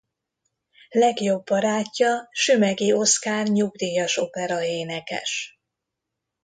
Legjobb barátja Sümeghy Oszkár nyugdíjas operaénekes.